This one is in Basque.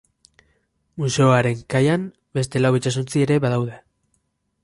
Museoaren kaian beste lau itsasontzi ere badaude.